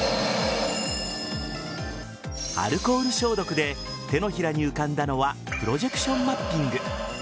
アルコール消毒で手のひらに浮かんだのはプロジェクションマッピング。